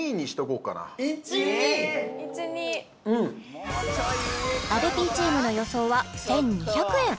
うんアルピーチームの予想は１２００円